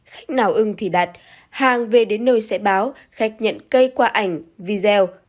khách nào ưng thì đặt hàng về đến nơi sẽ báo khách nhận cây qua ảnh video